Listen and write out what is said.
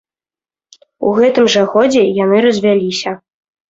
У гэтым жа годзе яны развяліся.